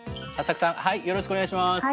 はっさくさんよろしくお願いします。